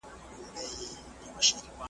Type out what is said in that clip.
یو ښه لارښود له خپل شاګرد سره مشوره کوي.